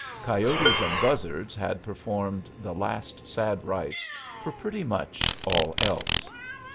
Coyotes and buzzards had performed the last sad rites for pretty much all else.